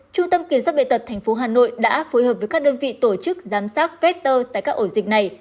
trung tâm kiểm soát bệ tật thành phố hà nội đã phối hợp với các đơn vị tổ chức giám sát vector tại các ổ dịch này